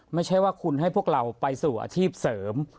ไม่ใช่ว่าคุณให้พวกเราไปสู่อาชีพเสริม